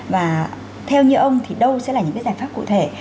và theo như ông thì đâu sẽ là những cái giải pháp cụ thể